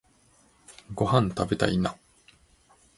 ごはんたべたいな